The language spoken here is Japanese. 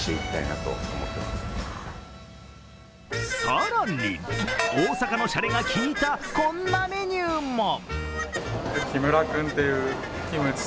更に、大阪のしゃれが利いたこんなメニューも。